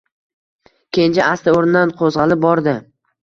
Kenja asta o‘rnidan qo‘zg‘alib bordi.